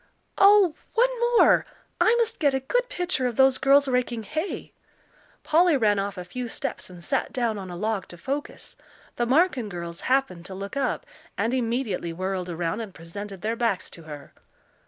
"Oh, one more! I must get a good picture of those girls raking hay." Polly ran off a few steps and sat down on a log to focus. The Marken girls happened to look up, and immediately whirled around and presented their backs to her.